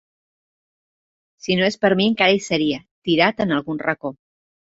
Si no és per mi encara hi seria, tirat en algun racó.